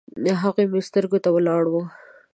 هغه مې سترګو ته ولاړه وه